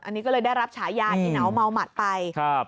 อันนี้ก็เลยได้รับฉายาอีเหนาเมาหมัดไปครับ